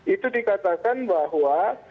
itu dikatakan bahwa